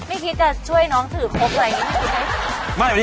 ไม่คิดจะช่วยน้องถือครบอะไรอย่างนี้ไม่คิดไหม